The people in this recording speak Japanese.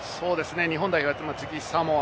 日本代表は次、サモア。